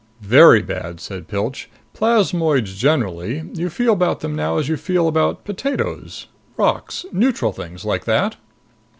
"Very bad," said Pilch. "Plasmoids generally, you feel about them now as you feel about potatoes ... rocks ... neutral things like that?"